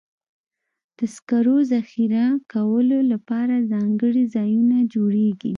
د سکرو ذخیره کولو لپاره ځانګړي ځایونه جوړېږي.